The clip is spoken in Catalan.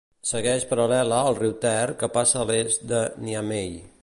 Segueix paral·lela al riu Ter que passa a l'est per Niamey.